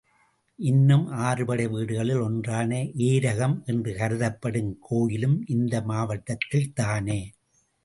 இன்னும் ஆறுபடை வீடுகளில் ஒன்றான ஏரகம் என்று கருதப்படும் கோயிலும் இந்த மாவட்டத்தில் தானே?